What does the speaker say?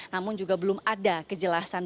namun juga belum ada kejelasan